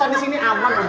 ya ampun samuil makasih